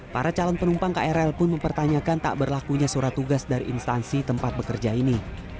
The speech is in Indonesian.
para calon penumpang krl pun mempertanyakan tak berlakunya surat tugas dari instansi tempat bekerja ini